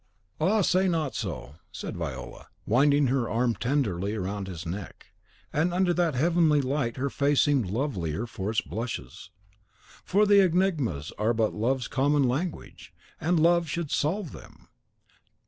"Ah, say not so!" said Viola, winding her arm tenderly round his neck, and under that heavenly light her face seemed lovelier for its blushes. "For the enigmas are but love's common language, and love should solve them.